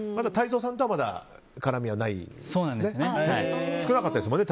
泰造さんとはまだ絡みはないんですね。